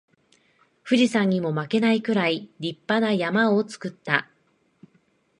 富士山にも負けないくらい立派な山を作った